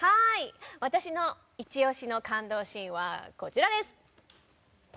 私のイチ押しの感動シーンはこちらです。